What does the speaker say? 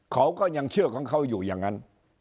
เขาก็ยังเชื่อของเขาอยู่อย่างนั้น